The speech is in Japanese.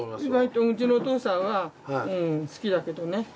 意外とうちのお父さんは好きだけどね。